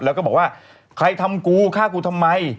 แล้วก็บอกว่าใครทำกูฆ่ากูทำไม